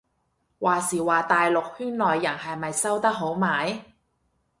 話時話大陸圈內人係咪收得好埋